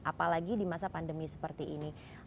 apalagi di masa pandemi seperti ini